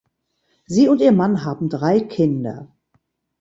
Sie und ihr Mann haben drei Kinder.